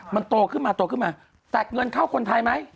มันโตขึ้นมาแตกเงินเข้าคนไทยไหม